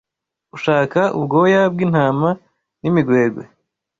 Ushaka ubwoya bw’intama n’imigwegwe